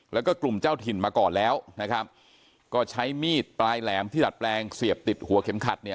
แล้วก็กลุ่มเจ้าถิ่นมาก่อนแล้วนะครับก็ใช้มีดปลายแหลมที่ดัดแปลงเสียบติดหัวเข็มขัดเนี่ย